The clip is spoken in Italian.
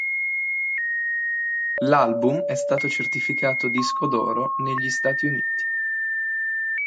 L'album è stato certificato disco d'oro negli Stati Uniti.